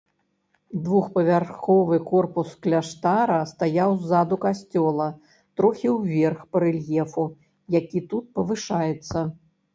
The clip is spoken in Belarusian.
Двухпавярховы корпус кляштара стаяў ззаду касцёла, трохі ўверх па рэльефу, які тут павышаецца.